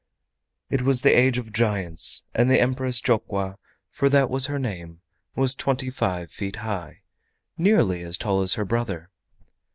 It was the age of giants, and the Empress Jokwa, for that was her name, was twenty five feet high, nearly as tall as her brother.